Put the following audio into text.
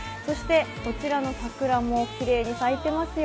こちらの桜もきれいに咲いていますよ。